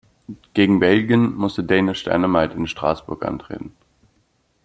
Gegen Belgien musste Danish Dynamite in Straßburg antreten.